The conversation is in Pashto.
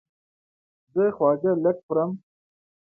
زه خواږه لږ خورم.